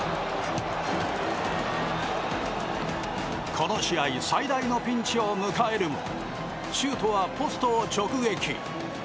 この試合最大のピンチを迎えるもシュートはポストを直撃。